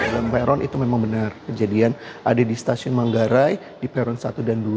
dalam peron itu memang benar kejadian ada di stasiun manggarai di peron satu dan dua